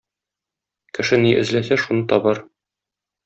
Кеше ни эзләсә, шуны табар.